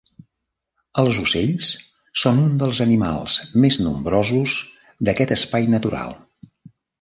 Els ocells són uns dels animals més nombrosos d'aquest espai natural.